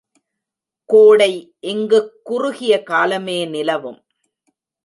கோடை இங்குக் குறுகிய காலமே நிலவும்.